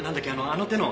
あの手の。